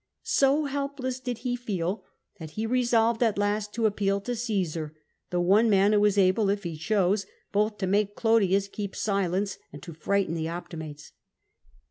So helpless did he feel, that he resolved at last to appeal to Csesar, the one man who was able, if he chose, both to make Clodius keep silence and to frighten the Opti mates.